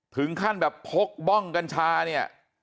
ถึงขั้นแบบพกบ้องกัญชาเนี่ย